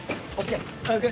ＯＫ